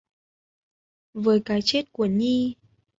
Với cái chết của Nhi